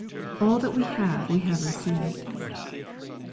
All that we have we have received.